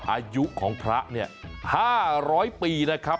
อายุของพระเนี่ยห้าร้อยปีนะครับ